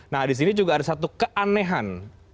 nah di sini juga ada satu keanehan